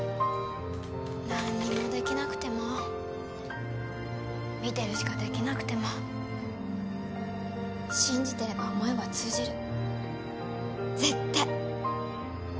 何にもできなくても見てるしかできなくても信じてれば思いは通じる絶対。